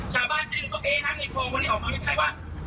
ชาวบ้านจริงโอเคนะมีโพงวันนี้ออกมาไม่ใช่ว่า